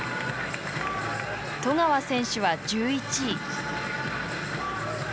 十川選手は１１位。